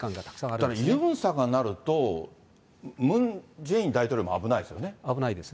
ただ、ユンさんがなると、ムン・ジェイン大統領も危ないですよね。